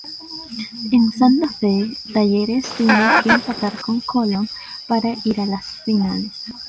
En Santa Fe, Talleres tenía que empatar con Colón para ir a las finales.